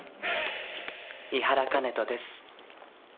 井原香音人です。